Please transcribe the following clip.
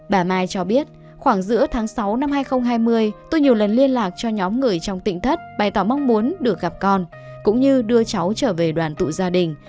bà mai cho biết khoảng giữa tháng sáu năm hai nghìn hai mươi tôi nhiều lần liên lạc cho nhóm người trong tỉnh thất bày tỏ mong muốn được gặp con cũng như đưa cháu trở về đoàn tụ gia đình